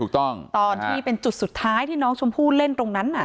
ตอนที่เป็นจุดสุดท้ายที่น้องชมพู่เล่นตรงนั้นน่ะ